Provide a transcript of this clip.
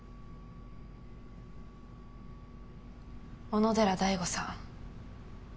小野寺大伍さん。